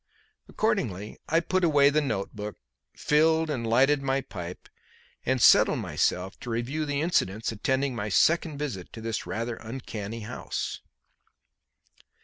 Accordingly I put away the notebook, filled and lighted my pipe, and settled myself to review the incidents attending my second visit to this rather uncanny house.